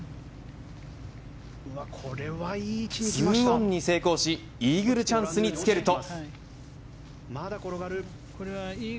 ２オンに成功しイーグルチャンスにつけると。